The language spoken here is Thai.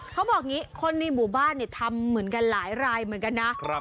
เขาบอกอย่างนี้คนในหมู่บ้านทำเหมือนกันหลายรายเหมือนกันนะ